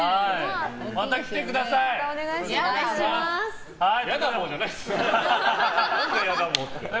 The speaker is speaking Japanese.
また来てください！